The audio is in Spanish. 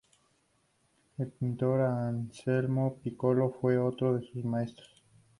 El pintor Anselmo Piccoli fue otro de sus maestros.